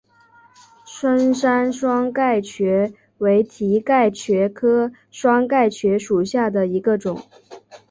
深山双盖蕨为蹄盖蕨科双盖蕨属下的一个种。